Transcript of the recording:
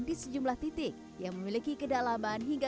di sejumlah titik yang memiliki kedalaman hingga sembilan m